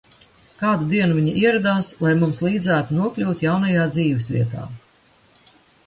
Kādu dienu viņa ieradās, lai mums līdzētu nokļūt jaunajā dzīves vietā.